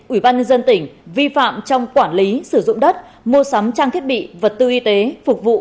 ủy ban nhân dân tỉnh vi phạm trong quản lý sử dụng đất mua sắm trang thiết bị vật tư y tế phục vụ